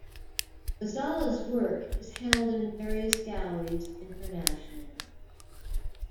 Ghazala's work is held in various galleries internationally.